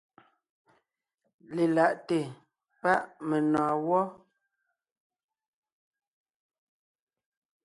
Lelaʼte páʼ menɔ̀ɔn gwɔ́.